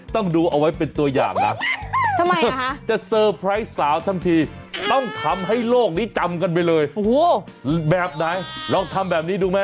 ต้องดูเอาไว้เป็นตัวอย่างนะจะเตอร์ไพรส์สาวทันทีต้องทำให้โลกนี้จำกันไปเลยแบบไหนลองทำแบบนี้ดูไหม